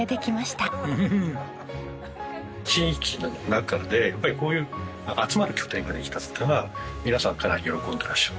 地域の中でやっぱりこういう集まる拠点ができたっていうのは皆さんかなり喜んでらっしゃる。